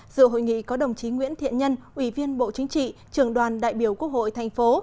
dự hội nghị có đồng chí nguyễn thiện nhân ủy viên bộ chính trị trường đoàn đại biểu quốc hội thành phố